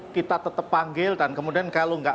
kita tetap panggil dan kemudian kalau nggak